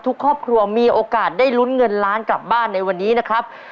ทุกครอบครัวมีโอกาสได้ลุ้นเงินล้านกลับบ้านในวันนี้นะครับ